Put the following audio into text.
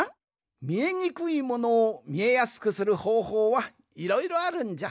みえにくいものをみえやすくするほうほうはいろいろあるんじゃ。